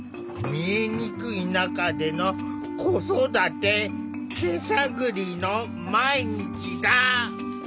見えにくい中での子育て手探りの毎日だ。